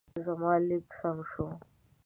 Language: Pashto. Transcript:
زما لیک سم شوی.